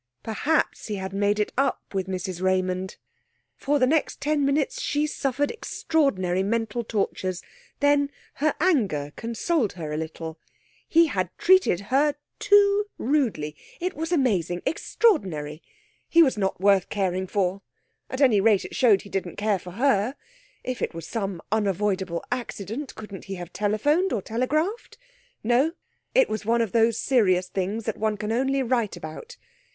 Perhaps he had made it up with Mrs Raymond?... For the next ten minutes she suffered extraordinary mental tortures, then her anger consoled her a little. He had treated her too rudely! It was amazing extraordinary! He was not worth caring for. At any rate, it showed he didn't care for her.... If it was some unavoidable accident, couldn't he have telephoned or telegraphed?... No; it was one of those serious things that one can only write about.